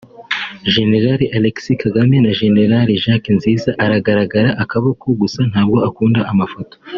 Jenerali Alex Kagame na Jenerali jack Nziza (aragaragara akaboko gusa ntabwo akunda amafoto